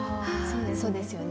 そうですよね。